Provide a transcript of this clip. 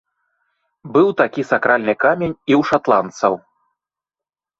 Быў такі сакральны камень і ў шатландцаў.